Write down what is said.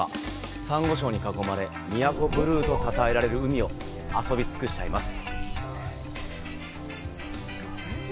サンゴ礁に囲まれ、「宮古ブルー」とたたえられる海を遊び尽くしちゃいます！